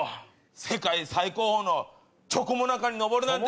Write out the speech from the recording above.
世界最高峰のチョコモナカに登るなんて。